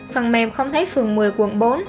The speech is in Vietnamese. phần mềm không thấy phường một mươi quận bốn